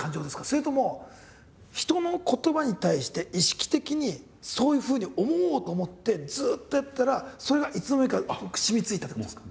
それとも人の言葉に対して意識的にそういうふうに思おうと思ってずっとやってたらそれがいつの間にかしみついた感じですか？